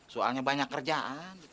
soalnya banyak kerjaan